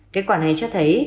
kết quả này cho thấy